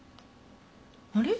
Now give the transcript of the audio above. あれ？